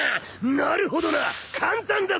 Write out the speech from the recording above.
なるほどな簡単だぜ。